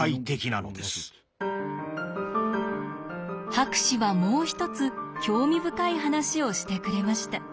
博士はもう一つ興味深い話をしてくれました。